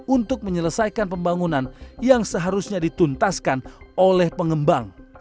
untuk menyelesaikan pembangunan yang seharusnya dituntaskan oleh pengembang